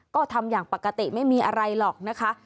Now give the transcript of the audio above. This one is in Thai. ก็ทำอย่างปกติไม่มีอะไรหรอกนะคะ